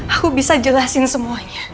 aku bisa jelasin semuanya